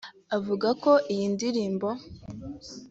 avuga ko iyi ndirimbo